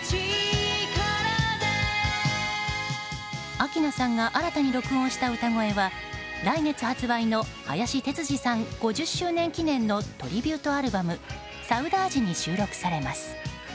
明菜さんが新たに録音した歌声は来月発売の林哲司さん５０周年記念のトリビュートアルバム「サウダージ」に収録されます。